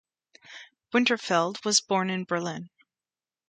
Winterfeld was born in Berlin.